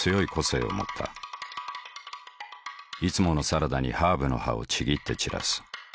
いつものサラダにハーブの葉をちぎって散らす。